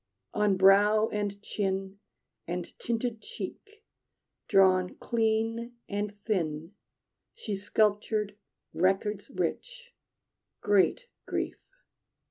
On brow and chin And tinted cheek, drawn clean and thin, She sculptured records rich, great Grief!